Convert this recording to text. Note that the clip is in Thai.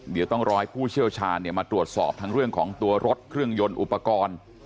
เดี๋ยวต้องรอให้ผู้เชี่ยวชาญมาตรวจสอบทั้งเรื่องของตัวรถเครื่องยนต์อุปกรณ์